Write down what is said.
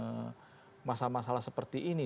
untuk bagaimana bisa mengkontrol masalah masalah seperti ini